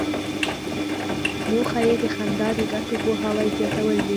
موخه یې د خندا د ګټو پوهاوی زیاتول دي.